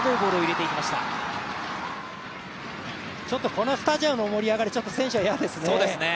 このスタジアムの盛り上がり、ちょっと選手は嫌ですね。